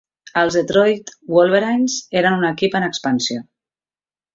Els Detroit Wolverines eren un equip en expansió.